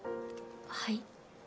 はい？